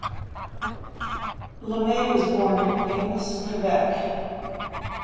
Lemay was born in Amos, Quebec.